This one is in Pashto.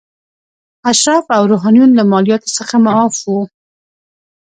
اشراف او روحانیون له مالیاتو څخه معاف وو.